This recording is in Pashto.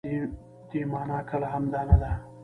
دې مانا کله هم دا نه ده.